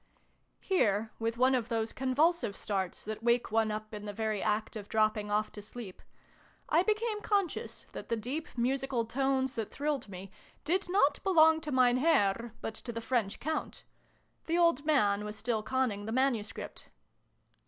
Here, with one of those convulsive starts that wake one up in the very act of dropping off to sleep, I became conscious that the deep musical tones that thrilled me did not belong to Mein Herr, but to the French Count. The old man was still conning the manuscript.